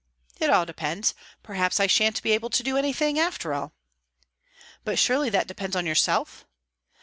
"It all depends. Perhaps I shan't be able to do anything, after all." "But surely that depends on yourself."